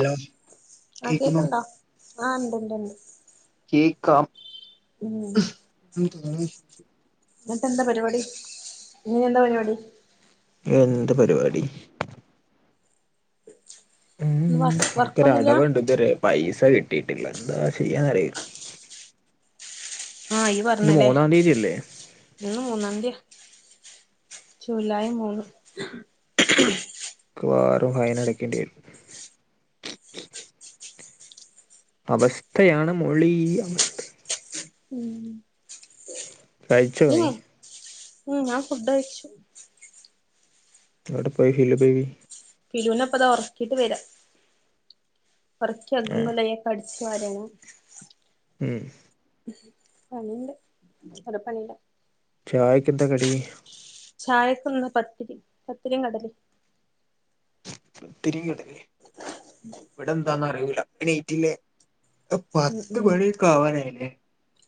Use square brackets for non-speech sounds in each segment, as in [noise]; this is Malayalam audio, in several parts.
ഹലോ ആഹ് കേക്കുന്നു കേക്കണ്ടോ ആഹ് ഉണ്ട്ണ്ട്ണ്ട്. കേക്കാം. ഉം എന്നിട്ട എന്താ പരിപാടി ഇഞ്ഞ് എന്താ പരിപാടി? എന്ത് പരിപാടി. ഇന്ന് ഉം വർ എനിക്കൊര് വർക്കൊന്നുല്ല അടവുണ്ട് ഇതുവരെ പൈസ കിട്ടിയിട്ടില്ല എന്താ ചെയ്യാന്നറില. ആഹ് ഇയ്യ് ഇന്ന് പറഞ്ഞല്ലേ. മൂന്നാം തീയതി അല്ലേ ഇന്ന് മൂന്നാംതിയ ജൂലൈ മൂന്ന്. മിക്കവാറും ഫൈന അടക്കേണ്ടി വരും. അവസ്ഥയാണ് മോളീ അവസ്ഥ. ഉം. കഴിച്ചോ നീ ഇല്ലേ ഉം ഞാൻ ഫുഡ് കഴിച്ചു. എവിടെ പോയി ഫിലു ബേബി? ഫിലൂനെ ഇപ്പതാ ഉറക്കിട്ട് വെര. ഒറക്കി അകും ആഹ് കൊലായെക്കെ അടിച്ചു വരാണ്. ഏഹ്? പണിണ്ട് കുറേ പണിണ്ട്. ചായക്കെന്താ കടി? ചായക്കിന്ന് പത്തിരി പത്തിരിം കടലിം. പത്തിരിം കടലെ ഇവിടെ എന്താന്ന് അറിയൂല എണീറ്റില്ലെ? ഇപ്പം പത്ത് മണിയക്കെ ആവാനായിലെ.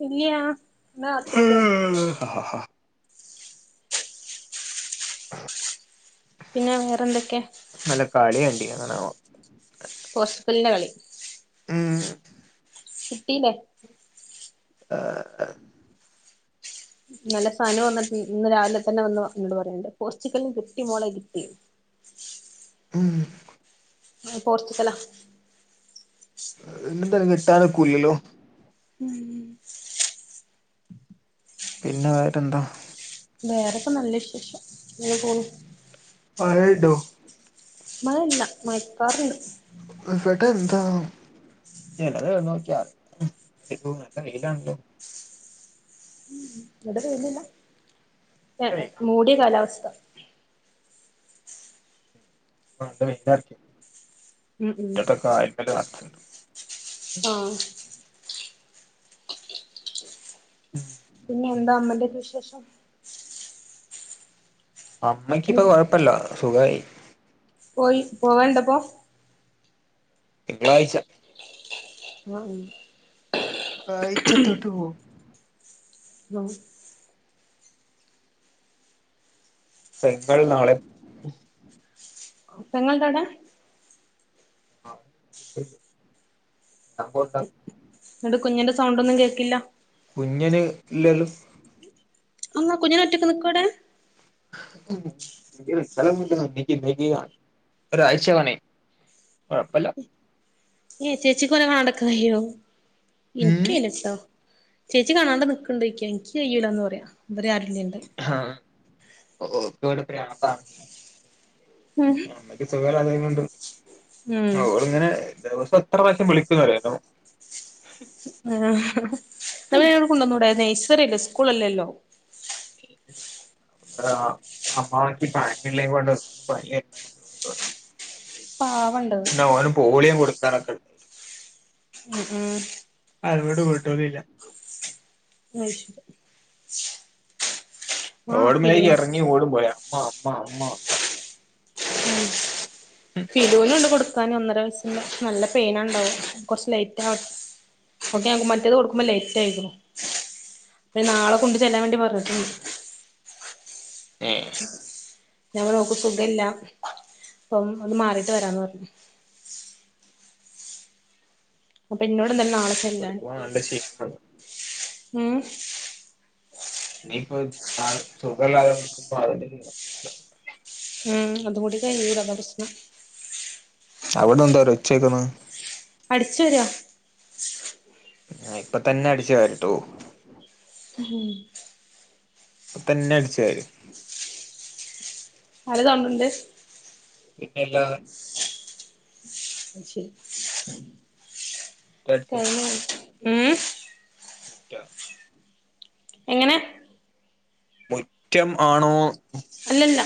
ഇല്ല്യ അന്നാ കാത്ത്ക്ക. [unintelligible] ഹ ഹ [unintelligible] പിന്നെ വേറെന്തൊക്കെ? ഇന്നലെ കളികണ്ടിനു അതാണാവോ? പോർച്ചുഗൽന്റെ കളി. ഉം. കിട്ടിലെ. ആഹ്. ഇന്നലെ സന വന്നപ്പം ഇന്ന് രാവിലെ തന്നെ എന്നോട് പറയണ്ട് പോർച്ചുഗലിന് കിട്ടി മോളെ കിട്ടി. ഉം. പോർച്ചുഗലാ. ഇണ്ടിണ്ട് അത് കിട്ടാനൊക്കൂല്ലല്ലോ. ഉം. പിന്നെ വേറെ എന്താ? വേറോക്കെ നല്ല വിശേഷം ഇങ്ങനെ പോണു. മഴയുണ്ടോ. മഴയില്ല മയക്കാറിണ്ട്. ഇവിടെന്താ? ചല്ലത് നോക്കിയാ നല്ല വെയിലാണ് ട്ടോ ഇടെ റേഞ്ചില്ല നല്ല ഏ വെയിലാ മൂടിയ കാലാവസ്ഥ ഉം ഉം [unintelligible] ആഹ് ഉം പിന്നെ എന്താ അമ്മന്റെ ക്കെ വിശേഷം അമ്മയ്ക്കിപ്പ ഇന്ന് കൊഴപ്പല്ല സുഖയി പോയി പോവണ്ടപ്പോ? തിങ്കളാഴ്ച. ഉ ആയ്ച്ച തൊട്ട് പോവും [unintelligible] ങ്ങള് നാളെ പെങ്ങള് ണ്ട അവിടെ [unintelligible] ന്നട്ട് കുഞ്ഞിന്റെ സൗണ്ടന്നും കേൾക്കില്ല കുഞ്ഞിന് ഇല്ലേലും കുഞ്ഞിന ഒറ്റയ്ക്ക് നിക്കോടെ? [unintelligible] ഒരാഴ്ച് വനായി കൊഴപ്പമല്ല ഏ ചേച്ചി കൊനെ കാണാണ്ടക്കയ്യോ ഉം ഇനിക്കയ്യില്ല ട്ടൊ ചേച്ചി കാണാണ്ട് നിക്ക്ണ്ടോയ്ക്ക ഇൻക്ക് കയ്യൂല ന്ന് പറയാ ഇവര് ആരുല്ലാണ്ട് ആഹ് ഓക്കിവിടെ ഉം [unintelligible] സുഖല്ലാതെങ്ങണ്ട് ആഹ് ഓള് ഇങ്ങനെ ദിവസം എത്ര പ്രാവശ്യം വിളിക്കുന്നറിയൊ ആഹ് ങ്ങളെ ഇവിടെ കൊണ്ടന്നൂടെ നൈസറില്ലേ സ്കൂൾ അല്ലേല്ലോ ആഹ് അമ്മാക്ക് [unintelligible] [inaudible] പാവണ്ടത് പിന്നെ ഓന് പോളിയ കൊടുക്കാനൊക്കെ ഉണ്ട് ഉം അരോടു കുട്ടൊടില്ല അശ ആഹ് ഓടമഴക്ക് ഫിലൂൻ എറങ്ങി ഓള് പോയ [unintelligible] ഫിലൂണ്ട് കൊടുക്കാന് ഒന്നര വയസ് നല്ല പെയിനണ്ടാവും കൊറച്ച ലേറ്റ് ആ ഓക്കെ അവൾക്ക് മറ്റത് കൊടുക്കുമ്പേ ലേറ്റ് ആയിക്ക്ണു അത് നാളെ കൊണ്ട് ചെല്ലാൻ വേണ്ടി പഞ്ഞിട്ടുണ്ട് എഹ് ഞ പർഞ്ഞ് ഒക്ക് സുഖല്ല അപ്പം ഒന്ന് മാറിട്ട് വരാന്ന് പറഞ്ഞു അപ്പൊ പിന്നോട്ന്തല്ല നാളെ ചെല്ലാൻ കൊടുക്കുമ്പോ നല്ല ക്ഷീണാണ് ഉം ഇനിയിപ്പോ അ സുഗല്ല [unintelligible] ഉം അത് കൂടി [unintelligible] പ്രശനം അവിട്ന്നെന്ത ഒരു ഒച്ച കേക്കുന്നെ അടിച്ചു വാര ആഹ് ഇപ്പത്തന്നെ അടിച്ചു വാരുട്ടോ ഉം പ്പ തന്നെ അടിച്ച് വാര് നല്ല സൗണ്ടുണ്ട് പിന്നെല്ല [unintelligible] മുറ്റം തന്നെ മ് മുറ്റാ എങ്ങനെ? മുറ്റം ആണോ അല്ലല്ല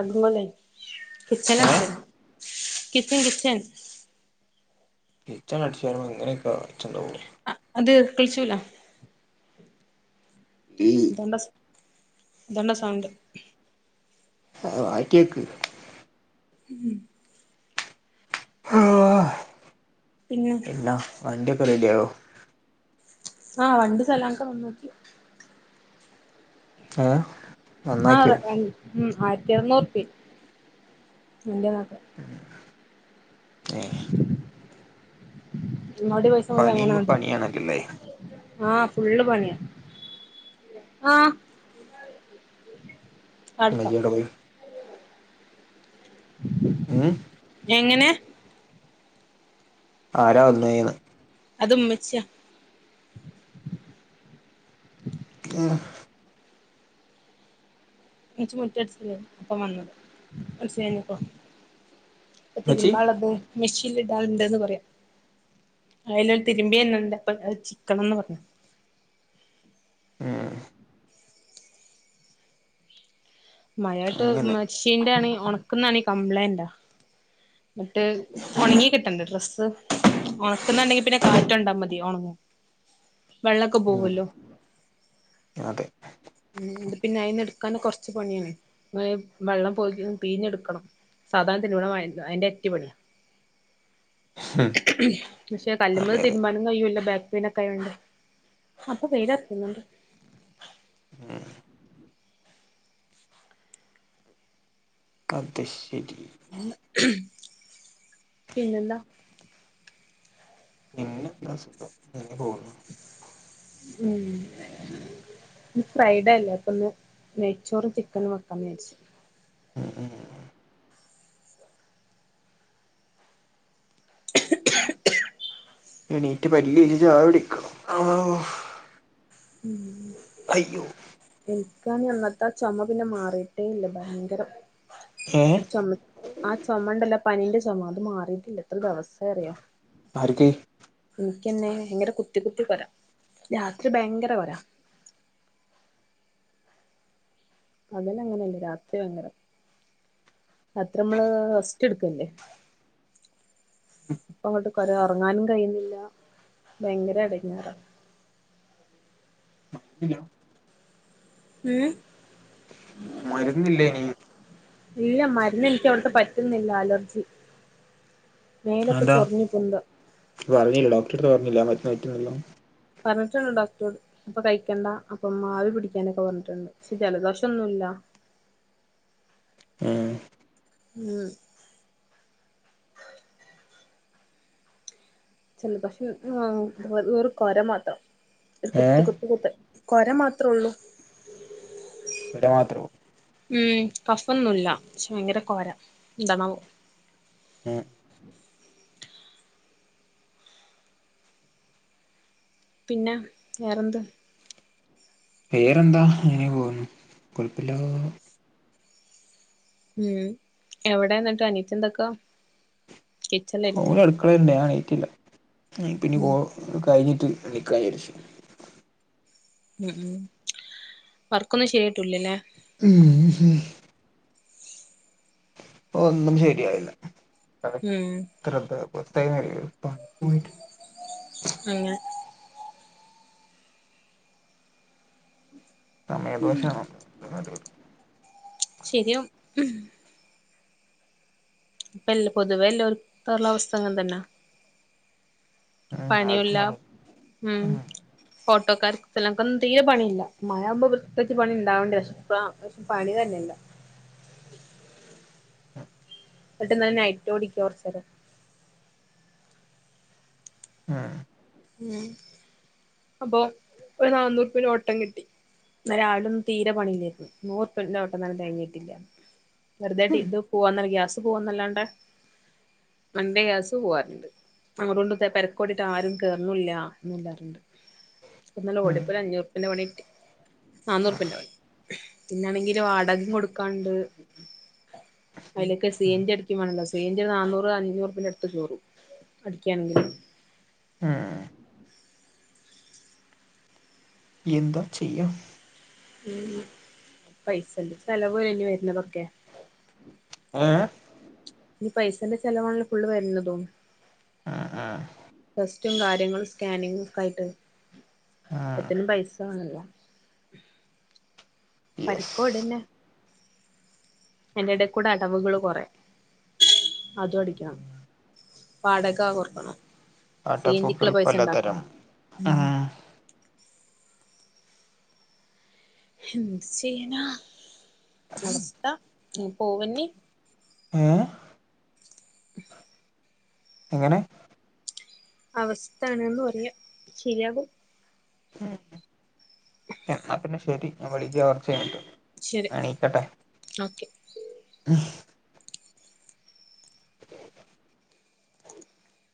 അതുപോലെ ഏഹ് കിച്ചനുമുണ്ട് കിച്ചൻ കിച്ചൻ കിച്ചൻ അടിച്ചു വാരുമ്പോ ഇങ്ങനെയൊക്കെ ഒച്ച ഉണ്ടാകുമോ അത് കിളിചൂല ഉം ഇതന്നെ സൗണ്ട് ആഹ് മാറ്റി വെയ്ക്ക് ഹാ പിന്നെ വണ്ടിയൊക്കെ റെഡി ആയോ ആഹ് വണ്ടി ചലാൻക്ക് വന്ന് ഏഹ് ആഹ് ആയിരത്തറുന്നൂറുപ്പിയായി എന്റെ മാത്രം ഏഹ് അവിടെയും പൈസ പോയത് പണിയുമ്പോ അങ്ങനാണ്ട് പണിയാണല്ലോല്ലേ ആഹ് ഫുള്ള് പണിയ ആഹ് അടുക്കാം [unintelligible] മ് എങ്ങനെ ആരാ വന്നേന്ന് അതുമ്മച്ചിയാ ഉം ഉമ്മച്ചി മുറ്റം അടിച്ച് വാരാണ് ഇപ്പൊ വന്ന് മനസ്സിലായപ്പോ ഇപ്പൊ ഉമ്മച്ചി തിരുമ്പാള്ളത് മെഷീൽ ഇടാനുണ്ട്ന്ന് പറയ്യാ അതിലൊരു തിരുമ്പി എന്നുണ്ട് അപ്പൊ ചിക്കണന്ന് പറയ്യാ മ്ഹ് മഴയത്ത് അങ്ങനെ ഉമ്മച്ചിന്റെ ആണെങ്കിൽ ഉണക്കുന്നാണെങ്കി കംപ്ലൈന്റാ എന്നിട്ട് ഉണങ്ങി കിട്ടണ്ടെ ഡ്രസ്സ് ഉണക്കുന്നുണ്ടെങ്കി പിന്നെ കാറ്റുകൊണ്ടാ മതി ഉണങ്ങും വെള്ളൊക്കെ ഉം പോവ്വല്ലോ അതെ ഉം പിന്നെ അയിന്നെടുക്കാനെ കൊറച്ച് പണിയാണ് വെള്ളം പോയി പിഴിഞ്ഞെടുക്കണം സാധാരണ ഇതിന്റെ കൂടെ [unintelligible] അതിന്റെ ഇരട്ടി പണിയാ ഉം പക്ഷെ കല്ലുമേ അതെ അതെ തിരുമ്മാൻ കഴിയൂല്ല ബാക്ക് പെയിനൊക്കെ ആയോണ്ട് അപ്പൊ വെയിലൊറക്കുന്നുണ്ട് മ്ഹ് അത് ശരി പിന്നെന്താ പിന്നെ പ്രശ്നം ഇങ്ങനെ പോകുന്നു മ് ഇന്ന് ഫ്രൈഡേ അല്ലേ അപ്പൊന്ന് നെയ്ച്ചോറും ചിക്കനു വെക്കാന്ന് വിചാരിച്ചു ഉം ഉം എണീറ്റ് പല്ലു തേച്ചു ചായ കുടിക്കുവാ. ഉം അയ്യോ എനിക്കാ അന്നത്തെ ചുമ പിന്നെ മാറിയിട്ടേ ഇല്ല ഭയങ്കരം ഏ ഒരു ചുമ ആഹ് ചുമണ്ടല്ലോ പനീന്റെ ചുമ അത് മാറിയിട്ടില്ല എത്ര ദിവസം ആയറിയോ ആർക്ക് എനിക്കെന്നെ ഭയങ്കര കുത്തി കുത്തി കൊരാ രാത്രി ഭയങ്കര കൊരാ പകല അങ്ങനെയില്ലേ രാത്രി ഭയങ്കര രാത്രി നമ്മള് റസ്റ്റ് എടുക്കുകല്ലേ ഇപ്പ അങ്ങോട്ട് കൊര ഉറങ്ങാനും കഴിയുന്നില്ല ഭയങ്കര ഇടങ്ങേറാ ശെരി ഉം മരുന്നില്ലേ ഇനി ഇല്ല മരുന്ന് എനിക്ക് അവിടുത്തെ പറ്റുന്നില്ല അലർജി മേലൊക്കെ അതെന്താ ചൊറിഞ്ഞ് പൊന്തുക പറഞ്ഞില്ല ഡോക്ടറെ അടുത്ത് പറഞ്ഞില്ല മരുന്ന് കഴിക്കുന്നന്ന് പറഞ്ഞിട്ടുണ്ട് ഡോക്ടറോട് അപ്പ കഴിക്കണ്ട അപ്പം ആവി പിടിക്കാനൊക്കെ പറഞ്ഞിട്ടുണ്ട് പക്ഷെ ജലദോഷം ഒന്നുമില്ല ആ ഉം ചെലപശു ഒരു കൊര മാത്രം ഒരു ഏ കുത്തി കുത്ത് കുത്ത് കൊര മാത്രം ഉള്ളൂ കോര മാത്രം ഉം കഫൊന്നുമില്ല പക്ഷെ ഭയങ്കര കോര ഇന്താണാവോ ഉം പിന്നെ വേറെന്ത് വേറെന്താ ഇങ്ങനെ പോന്നു കൊഴപ്പില്ല ഉം എവിടെ എന്നിട്ട് അനിത്തി എന്തൊക്കാ ഓൾ കിച്ചണിലായിരിക്കുല്ലേ അടുക്കളെലാ ഞാൻ എണീറ്റില്ല പിന്നെ ഉം കൊള് കഴിഞ്ഞിട്ട് എണ്ണീക്കാന്ന് വിചരിച്ചു ഉം ഉം വർക്കൊന്നും ശരിയായിട്ടല്ലല്ലേ ഉം ഒന്നും ശരിയായില്ല ഉം എത്ര ദിവസായീന്നറിയുമോ പണിക്ക് പോയിട്ട് അങ്ങനെ സമയദോഷമാണ് ശരിയാകും ഇപ്പെല്ല പൊതുവെ എല്ലാം ഒരുത്തുള്ള അവസ്ഥ അങ്ങനെതന്നാ ആർക്കും പണിയുല്ല പണി ഉം ഓട്ടോക്കാർക്ക് ചിലർക്കൊന്നും തീരെ പണിയില്ല മഴയാകുമ്പോ പ്രത്യേകിച്ച് പണിയുണ്ടാവണ്ടിതാ പണി തന്നെയല്ല എന്നിട്ടന്ന് നൈറ്റ് ഓടിക്കുവാ കൊറച്ച് നേരം ഉം ഉം അപ്പൊ ഒരു നാന്നൂറ് രൂപന്റെ ഓട്ടം കിട്ടി ഇന്ന് രാവിലെ ഒന്നും തീരെ പണിയില്ലായിരുന്നു നൂറുപ്പന്റെ ഓട്ടം തന്നെ തെകഞ്ഞ്കിട്ടില്ല വെറുതെയിട്ട് ഉം ഇത് പോവാന്നല്ല ഗ്യാസ് പോവാന്നല്ലാണ്ട് വണ്ടി ഗ്യാസ് പോവാറുണ്ട് അങ്ങൊട്ട് കൊണ്ട് തെരക്കോടിയിട്ട് ആരും കേറുന്നുമില്ല ഒന്നുമില്ലാറുണ്ട് ഇന്ന് ഉം ഓടിപ്പം ഒരു അഞ്ഞൂറുപ്പന്റെ പണി കിട്ടി നാനൂറു റുപ്പെന്റെ പണി പിന്നാണെങ്കില് വാടക കൊടുക്കാണ്ട് അതിലൊക്കെ ഉം സീഞ്ചി അടക്കും വേണല്ലോ സീ ഞ്ചി നന്നൂറ് അഞ്ഞൂറ് അടുത്ത് കേറും അഠിക്കയാണെങ്കിൽ ആ മ്മ് എന്താ ചെയ്യാ ഉ പൈസല്ല ചെലവല്ലേ ഇനി വരുന്നതൊക്കെ ഏ ഇനി പൈസന്റെ ചിലവാണല്ലോ ഫുള് വരുന്നതും ആ ആ ടെസ്റ്റും കാര്യങ്ങളും സ്കാനിങ്ങും ഒക്കെ ഉം ആയിട്ട് പൈസ ആല്ലോ യെസ് പരിക്കോട്ന്നെ അയിന്റെടെ കൂടെ അടവുകൾ കൊറെ അതും അടക്കണം വാടക കൊട്ക്കണം ആട്ടപ്പൂക്കൾ സീഞ്ചിക്കുള്ള പൈസ പലതരം ഉണ്ടാക്കണം ആഹ് എന്ത്തു ചെയ്യനാ അവസ്ഥ ഇങ്ങനെ പോവന്നി ഏഹ് [inaudible] എങ്ങനെ അവസ്ഥണ്ന്ന് പറയാ ശരിയാകും എന്ന എന്നാ പിന്നെ ശെരി ഞാൻ വിളിക്ക കൊറച്ച് കഴിഞ്ഞിട്ട് ശരി ഞാൻ എണീക്കട്ടെ ഓക്കെ ഹും